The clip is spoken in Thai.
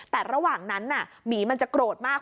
แต่ระหว่างนั้นหมีมันจะโกรธมาก